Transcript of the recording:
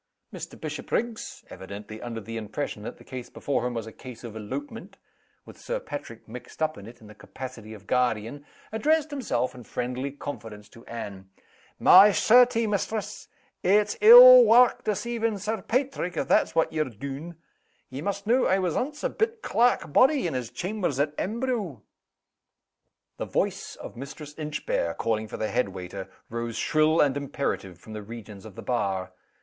Mr. Bishopriggs evidently under the impression that the case before him was a case of elopement, with Sir Patrick mixed up in it in the capacity of guardian addressed himself, in friendly confidence, to Anne. "My certie, mistress! it's ill wark deceivin' Sir Paitrick, if that's what ye've dune. Ye must know, I was ance a bit clerk body in his chambers at Embro " The voice of Mistress Inchbare, calling for the head waiter, rose shrill and imperative from the regions of the bar.